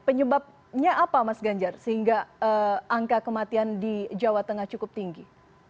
penyebabnya apa mas ganjar sehingga angka kematian di jawa tengah cukup tinggi